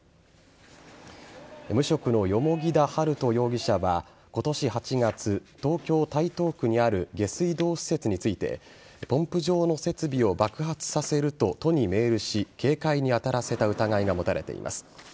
無職の蓬田治都容疑者は今年８月、東京・台東区にある下水道施設についてポンプ場の設備を爆発させると都にメールし警戒に当たらせた疑いが持たれています。